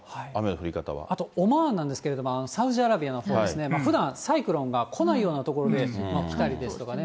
あとオマーンなんですけど、サウジアラビアのほうですね、ふだんサイクロンが来ないような所で来たりとかですね。